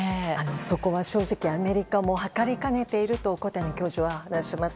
そこは正直アメリカも測りかねていると小谷教授は話します。